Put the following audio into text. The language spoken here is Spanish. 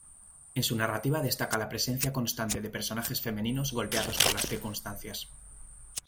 En su narrativa destaca la presencia constante de personajes femeninos golpeados por las circunstancias.